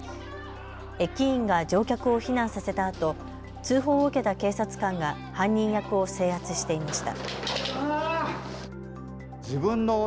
駅員が乗客を避難させたあと通報を受けた警察官が犯人役を制圧していました。